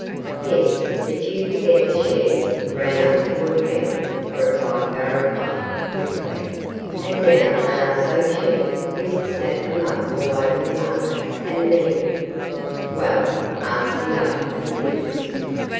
'Yes, but you forget the shares ran up to a pound,' replied Barraclough, quickly; 'and now they are so cheap we can snap them up all over the market, and then ' 'Well?' asked the other, with interest.